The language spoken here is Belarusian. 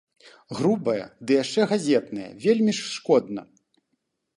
Грубая, ды яшчэ газетная, вельмі ж шкодна.